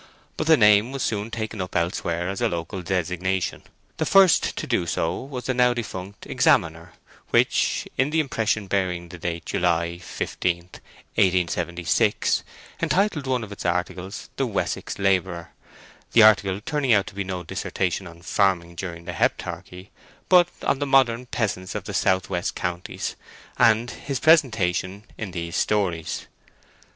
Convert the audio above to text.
But the name was soon taken up elsewhere as a local designation. The first to do so was the now defunct Examiner, which, in the impression bearing date July 15, 1876, entitled one of its articles "The Wessex Labourer," the article turning out to be no dissertation on farming during the Heptarchy, but on the modern peasant of the south west counties, and his presentation in these stories.